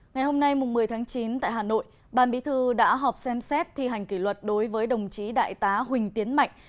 ngày hôm nay một mươi tháng chín tại hà nội ban bí thư đã họp xem xét thi hành kỷ luật đối với đồng chí đại tá huỳnh tiến mạnh